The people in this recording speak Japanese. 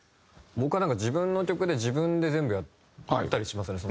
僕はなんか自分の曲で自分で全部やったりしますね。